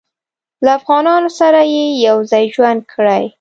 له افغانانو سره یې یو ځای ژوند کړی.